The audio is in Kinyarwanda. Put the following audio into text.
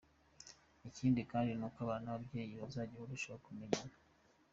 Ikindi kandi nuko abana n’ababyeyi bazajya barushaho kumenyana.